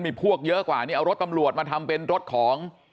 มีพวกเยอะกว่านี่เอารถตำรวจมาทำเป็นรถของ